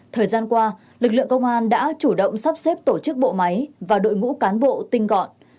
thời gian qua lực lượng công an đã chủ động sắp xếp tổ chức bộ máy và đội ngũ cán bộ tinh gọn